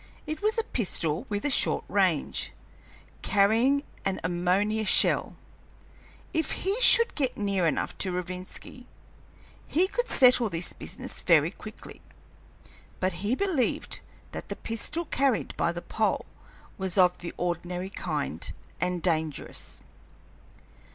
It was a pistol with a short range, carrying an ammonia shell. If he could get near enough to Rovinski, he could settle his business very quickly; but he believed that the pistol carried by the Pole was of the ordinary kind, and dangerous.